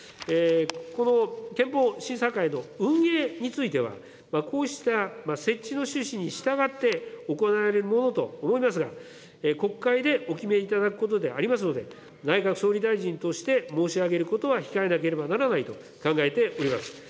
この憲法審査会の運営については、こうした設置の趣旨に従って行われるものと思いますが、国会でお決めいただくことでありますので、内閣総理大臣として申し上げることは控えなければならないと考えております。